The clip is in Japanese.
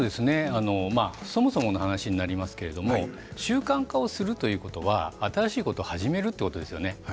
そもそもの話になりますけれども習慣化をするということは新しいことを始めるということですよね。